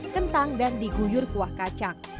kentang dan diguyur kuah kacang